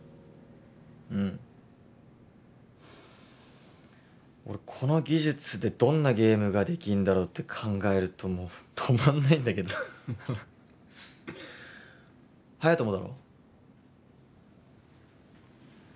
うん俺この技術でどんなゲームができんだろうって考えるともう止まんないんだけど隼人もだろ